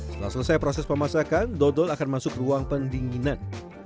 setelah selesai proses pemasakan dodol akan masuk ruang pendinginan